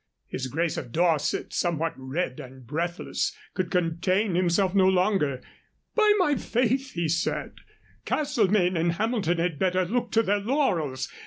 His grace of Dorset, somewhat red and breathless, could contain himself no longer. "By my faith!" he said, "Castlemaine and Hamilton had better look to their laurels.